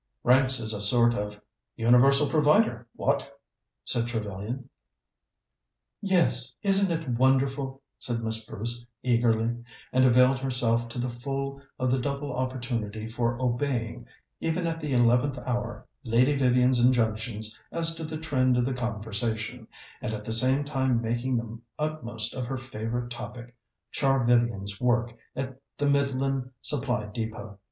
"Ranks as a sort of Universal Provider what?" said Trevellyan. "Yes; isn't it wonderful?" said Miss Bruce eagerly; and availed herself to the full of the double opportunity for obeying, even at the eleventh hour, Lady Vivian's injunctions as to the trend of the conversation, and at the same time making the utmost of her favourite topic, Char Vivian's work at the Midland Supply Depôt.